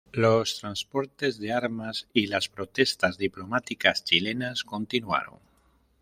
Los transportes de armas y las protestas diplomáticas chilenas continuaron.